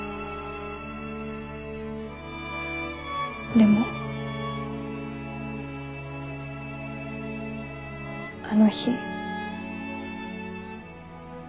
でもあの日。